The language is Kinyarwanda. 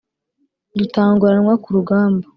Dutanguranwa ku rugamba